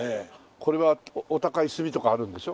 これはお高い墨とかあるんでしょ？